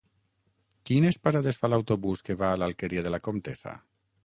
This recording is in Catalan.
Quines parades fa l'autobús que va a l'Alqueria de la Comtessa?